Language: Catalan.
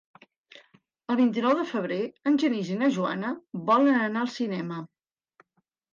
El vint-i-nou de febrer en Genís i na Joana volen anar al cinema.